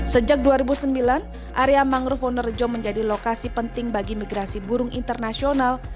sejak dua ribu sembilan area mangrove wonorejo menjadi lokasi penting bagi migrasi burung internasional